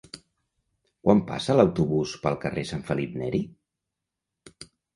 Quan passa l'autobús pel carrer Sant Felip Neri?